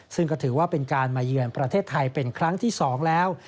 ซึ่งก็ถือว่าเป็นการมาเยือนประเทศไทยเป็นครั้งที่๒แล้ว